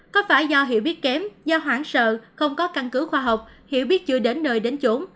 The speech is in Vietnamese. có phải do hiểu biết kém do hoảng sợ không có căn cứ khoa học hiểu biết chưa đến nơi đến chỗ